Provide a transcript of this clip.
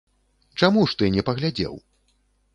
Чаму ж ты не паглядзеў?